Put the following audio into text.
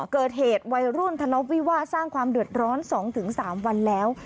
เกิดเหตุวัยรุ่นทะเลาะวิวาดสร้างความเดือดร้อน๒๓วันแล้ว